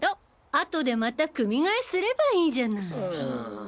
後でまた組替えすればいいじゃない。